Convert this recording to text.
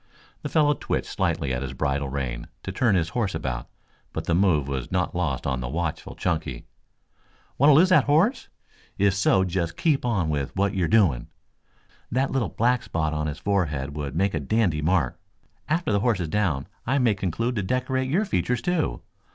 The fellow twitched slightly at his bridle rein to turn his horse about, but the move was not lost on the watchful Chunky. "Want to lose that horse? If so, just keep on with what you are doing! That little black spot in his forehead would make a dandy mark. After the horse is down I may conclude to decorate your features, too.